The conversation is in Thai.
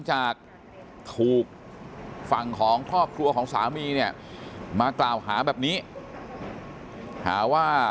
จากถูกฝั่งของครอบครัวของสามีเนี่ยมากล่าวหาแบบนี้หาว่า